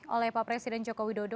oleh pak presiden joko widodo